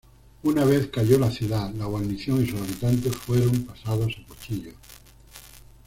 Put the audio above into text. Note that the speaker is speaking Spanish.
Una vez cayó la ciudad, la guarnición y sus habitantes fueron pasados a cuchillo.